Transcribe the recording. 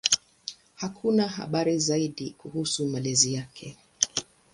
Hakuna habari zaidi kuhusu malezi yake.